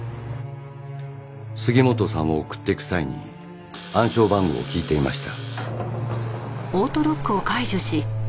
杉本さんを送っていく際に暗証番号を聞いていました。